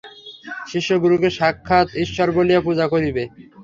শিষ্য গুরুকে সাক্ষাৎ ঈশ্বর বলিয়া পূজা করিবে।